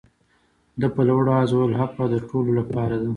ده په لوړ آواز وویل عفوه د ټولو لپاره ده.